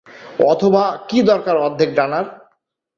অথবা "কী দরকার অর্ধেক ডানার?"